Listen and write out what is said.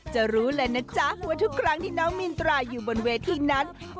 รู้เลยนะจ๊ะว่าทุกครั้งที่น้องมีนตราอยู่บนเวทีนั้น